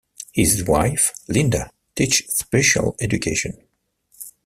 His wife, Linda, teaches special education.